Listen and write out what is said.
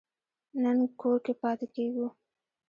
نن کور کې پاتې کیږو